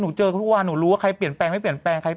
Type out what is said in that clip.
เจอเขาทุกวันหนูรู้ว่าใครเปลี่ยนแปลงไม่เปลี่ยนแปลงใคร